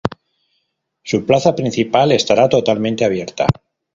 Su plaza principal estará totalmente abierta.